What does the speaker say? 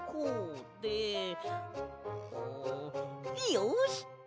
よし！